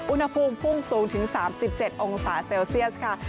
อุณหภูมิพุ่งสูงถึง๓๗องศาเซลเซียสค่ะ